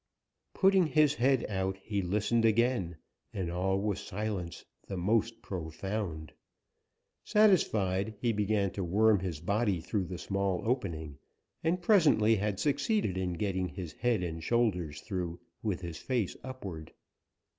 Putting his head out he listened again, and all was silence the most profound. Satisfied, he began to worm his body through the small opening, and presently had succeeded in getting his head and shoulders through, with his face upward.